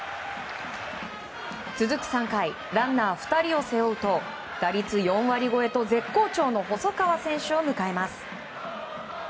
続く３回ランナー２人を背負うと打率４割超えと絶好調の細川選手を迎えます。